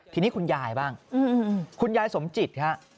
ทีนี้คุณยายบ้างคุณยายสมจิตฮะ